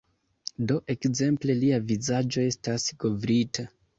Do, ekzemple lia vizaĝo estas kovrita